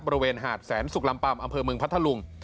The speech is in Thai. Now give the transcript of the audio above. บริเวณหาดแสนสุกลำปัมอำเภอเมืองพัทธลุง